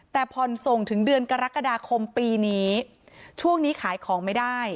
แต่ผ่อนส่งถึงเดือนกรกฎาคมปีนี้ช่วงนี้ขายของไม่ได้